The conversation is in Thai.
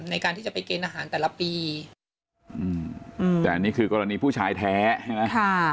ในการที่จะไปกินอาหารแต่ละปีอืมแต่อันนี้คือกรณีผู้ชายแท้ใช่ไหมค่ะ